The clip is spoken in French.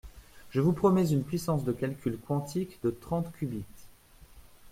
Je vous promets une puissance de calcul quantique de trente qubits.